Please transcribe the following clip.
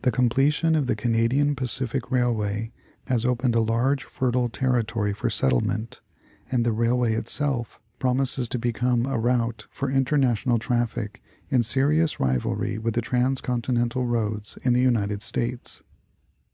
The completion of the Canadian Pacific Railway has opened a large fertile territory for settlement, and the railway itself promises to become a route for Geography of the Land. 131 international traffic in serious rivalry with the transcontinental roads in the United States.